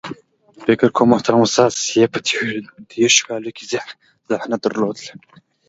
فکر کوم محترم استاد سیاف په تېرو دېرشو کالو کې ذهانت درلود.